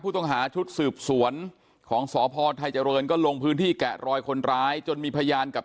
ผู้ต้องหาชุดสืบสวนของสภไทยเจริญก็ลงพื้นที่แกะรอยคนร้าย